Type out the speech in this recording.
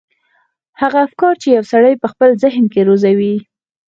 هغه افکار چې يو سړی يې په خپل ذهن کې روزي.